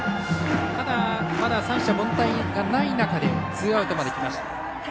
ただ、まだ三者凡退がない中でツーアウトまできました。